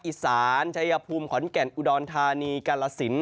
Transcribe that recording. อิสานชายพุมขอนแก่นอุดอนทานีกาลสิน